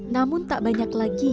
namun tak banyak lagi